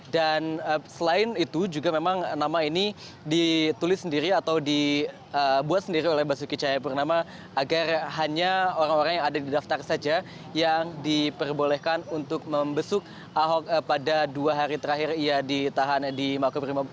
dan selain itu juga memang nama ini ditulis sendiri atau dibuat sendiri oleh basuki cahayapurnama agar hanya orang orang yang ada di daftar saja yang diperbolehkan untuk membesuk ahok pada dua hari terakhir ia ditahan di makoprimap